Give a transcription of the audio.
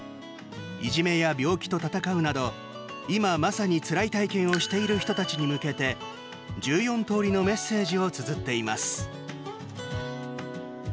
いじめや病気と闘うなど今、まさにつらい体験をしている人たちに向けて１４通りのメッセージをつづっています。